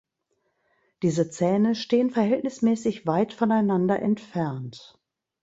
Diese Zähne stehen verhältnismäßig weit voneinander entfernt.